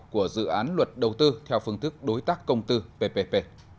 của dự án luật đầu tư theo phương thức đối tác công tư ppp